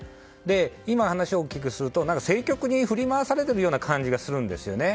今、話をお聞きすると政局に振り回されているような感じがするんですよね。